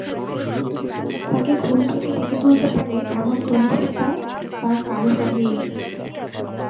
তাঁকে ঘুম থেকে ডেকে তুলতে পারে এমন ঘনিষ্ঠতা তাঁর কারো সঙ্গেই নেই।